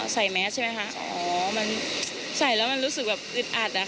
ใส่แมสใส่แล้วรู้สึกอึดอัด